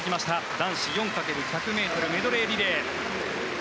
男子４×１００ｍメドレーリレー。